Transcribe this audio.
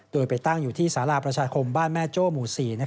โดยไปตั้งอยู่ที่สาราประชาคมบ้านแม่โจ้หมู่๔